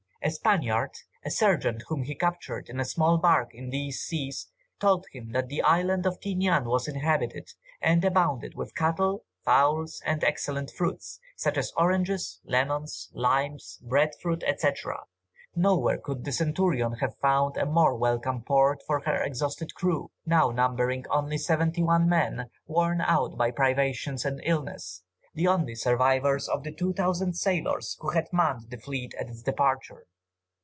A Spaniard, a sergeant, whom he captured in a small bark in these seas, told him that the island of Tinian was inhabited, and abounded with cattle, fowls, and excellent fruits, such as oranges, lemons, limes, bread fruit, &c. Nowhere could the Centurion have found a more welcome port for her exhausted crew, now numbering only seventy one men, worn out by privation and illness, the only survivors of the 2000 sailors who had manned the fleet at its departure.